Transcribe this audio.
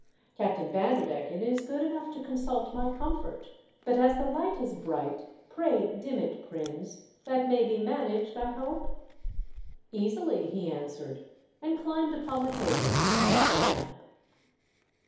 Captain Vanderdecken is good (Miough to consult my comfort, but as the light is bright, pray dim it, Prins. That may be managed, I hope ?" MY POOR DARLING. 4^9 •' Easily," he answered, and climbed upon the table to come at the lamp.